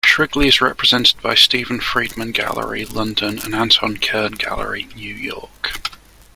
Shrigley is represented by Stephen Friedman Gallery, London and Anton Kern Gallery, New York.